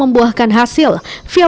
menurut manfaat fania